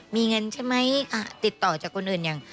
มีเงินใช่ไหมติดต่อจากคนอื่นอย่าง